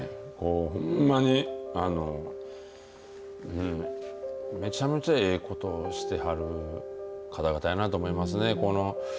ほんまにめちゃめちゃええことしてはる方々やなと思いますね。